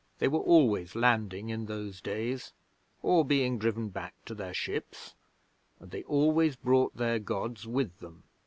They were always landing in those days, or being driven back to their ships, and they always brought their Gods with them.